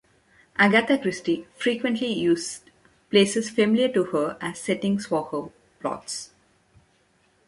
Agatha Christie frequently used places familiar to her as settings for her plots.